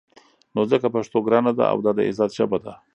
نو ځکه پښتو ګرانه ده او دا د عزت ژبه ده.